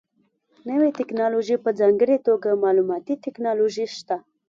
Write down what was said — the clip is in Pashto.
نوې ټکنالوژي په ځانګړې توګه معلوماتي ټکنالوژي شته.